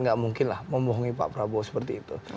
gak mungkin lah membohongi pak prabu seperti itu